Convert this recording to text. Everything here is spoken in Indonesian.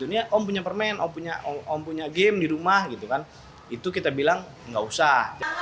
dunia om punya permen om punya om punya game di rumah gitu kan itu kita bilang nggak usah